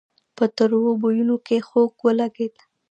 په تروو بويونو کې خوږ ولګېد.